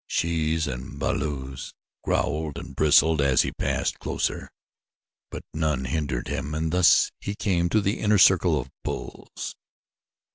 Shes and balus growled and bristled as he passed closer, but none hindered him and thus he came to the inner circle of bulls.